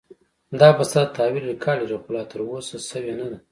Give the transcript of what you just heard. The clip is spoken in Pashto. دا بسته د تحویل ریکارډ لري، خو لا ترلاسه شوې نه ده.